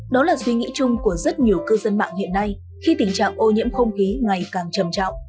đó là suy nghĩ chung của rất nhiều cư dân mạng hiện nay khi tình trạng ô nhiễm không khí ngày càng trầm trọng